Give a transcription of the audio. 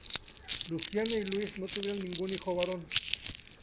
Luciana y Luis no tuvieron ningún hijo varón.